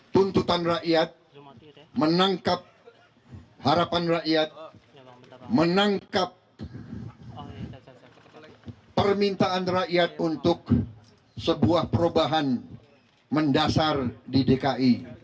tuntutan rakyat menangkap harapan rakyat menangkap permintaan rakyat untuk sebuah perubahan mendasar di dki